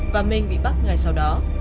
và mình bị bắt ngay sau đó